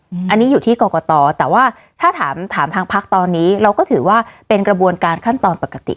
อันนี้อยู่ที่กรกตแต่ว่าถ้าถามถามทางพักตอนนี้เราก็ถือว่าเป็นกระบวนการขั้นตอนปกติ